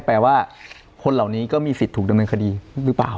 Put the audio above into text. แปลว่าคนเหล่านี้ก็มีสิทธิ์ถูกดำเนินคดีหรือเปล่า